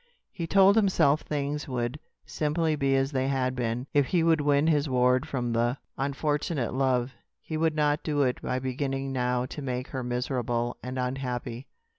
He told himself things would simply be as they had been. If he would win his ward from the unfortunate love, he would not do it by beginning now to make her miserable and unhappy.